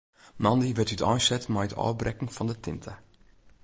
Moandei wurdt úteinset mei it ôfbrekken fan de tinte.